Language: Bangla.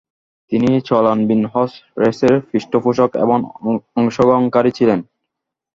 তিনি চলানবিল হর্স রেসের পৃষ্ঠপোষক এবং অংশগ্রহণকারী ছিলেন।